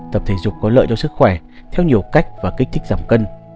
tập thể dục có lợi cho sức khỏe theo nhiều cách và kích thích giảm cân